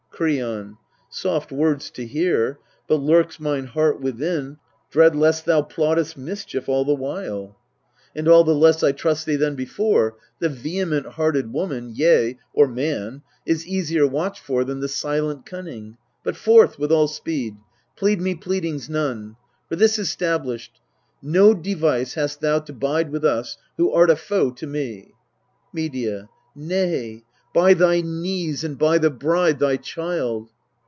Kreon. Soft words to hear : Ibut lurks mine heart within Dread lest thou plottest mischief all the while ; 254 EURIPIDES And all the less I trust thee than before. The vehement hearted woman yea, or man Is easier watched for than the silent cunning. But forth with all speed : plead me pleadings none. For this is stablished : no device hast thou To bide with us, who art a foe to me. Medea. Nay by thy knees, and by the bride, thy child!